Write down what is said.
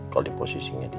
kalau di posisinya dia